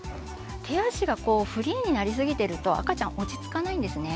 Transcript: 手足がフリーになりすぎてると赤ちゃん落ち着かないんですね。